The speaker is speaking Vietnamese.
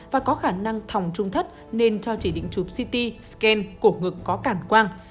và có khả năng thòng trung thất nên cho chỉ định chụp ct scan cổ ngực có cản quang